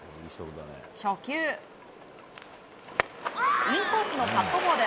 初球、インコースのカットボール。